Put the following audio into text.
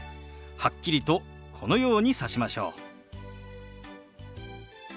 はっきりとこのようにさしましょう。